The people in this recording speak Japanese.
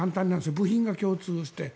部品が共通して。